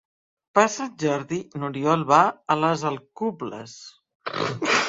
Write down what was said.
Per Sant Jordi n'Oriol va a les Alcubles.